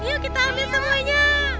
yuk kita ambil semuanya